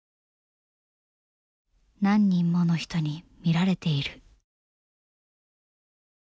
「何人もの人に見られている」。